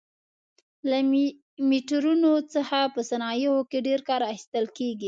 له میټرونو څخه په صنایعو کې ډېر کار اخیستل کېږي.